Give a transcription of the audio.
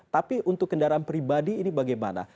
tapi untuk kendaraan pribadi ini bagaimana